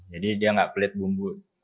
jadi dia gak pelit bumbu